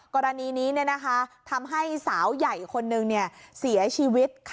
กรณีนี้เนี่ยนะคะทำให้สาวใหญ่คนหนึ่งเนี่ยเสียชีวิต